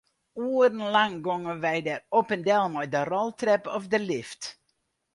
Oerenlang gongen wy dêr op en del mei de roltrep of de lift.